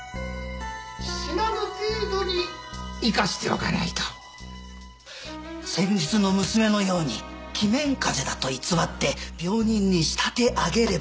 死なぬ程度に・生かしておかないと先日の娘のように鬼面風邪だと偽って病人に仕立て上げれば・